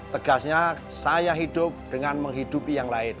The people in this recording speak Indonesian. tegasnya saya hidup dengan menghidupi yang lain